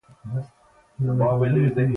که د افغانستان زراعت نه وی تباه شوی ډېر به ښه وو.